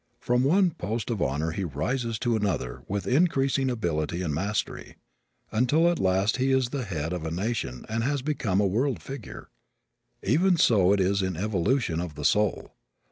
From one post of honor he rises to another with increasing ability and mastery, until at last he is the head of a nation and has become a world figure. Even so it is in the evolution of the soul.